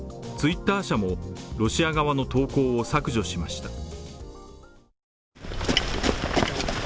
Ｔｗｉｔｔｅｒ社も、ロシア側の投稿を削除しました。